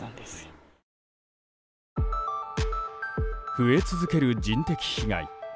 増え続ける人的被害。